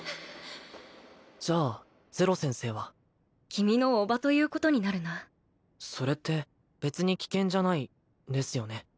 じゃあゼロ先生は君の叔母ということになるなそれって別に危険じゃないですよね？